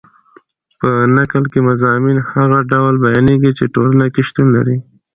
په نکل کښي مضامین هغه ډول بیانېږي، چي ټولنه کښي شتون لري.